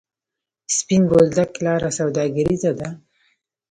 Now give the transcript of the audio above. سپین بولدک لاره سوداګریزه ده؟